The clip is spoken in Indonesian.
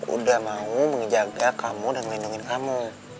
udah mau mengejaga kamu dan ngelindungin kamu